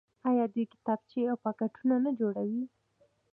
آیا دوی کتابچې او پاکټونه نه جوړوي؟